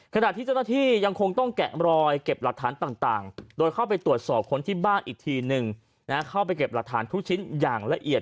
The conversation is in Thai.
ขณะที่เจ้าหน้าที่ยังคงต้องแกะรอยเก็บหลักฐานต่างโดยเข้าไปตรวจสอบคนที่บ้านอีกทีนึงเข้าไปเก็บหลักฐานทุกชิ้นอย่างละเอียด